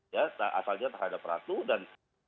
ya asalnya terhadap ratu dan